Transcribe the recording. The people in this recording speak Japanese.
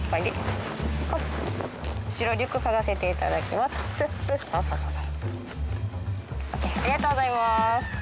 ＯＫありがとうございます。